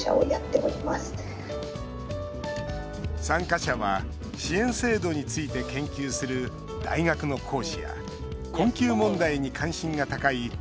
参加者は支援制度について研究する大学の講師や困窮問題に関心が高い